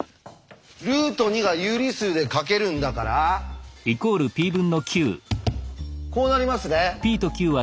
ルート２が有理数で書けるんだからこうなりますね。